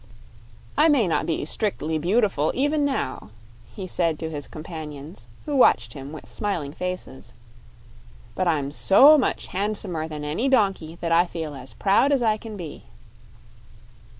"I may not be strictly beautiful, even now," he said to his companions, who watched him with smiling faces; "but I'm so much handsomer than any donkey that I feel as proud as I can be."